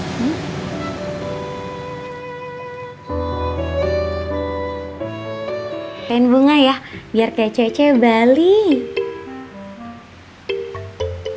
pakein bunga ya biar kayak cece balik